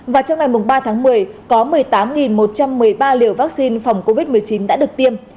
và trong ngày ba tháng một mươi có một mươi tám một trăm một mươi ba liều vaccine phòng covid một mươi chín đã được tiêm